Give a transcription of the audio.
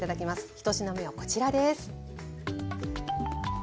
１品目はこちらです。